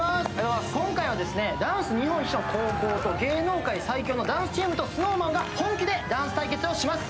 今回は、ダンス日本一の高校とダンスチームとＳｎｏｗＭａｎが本気でダンス対決をします。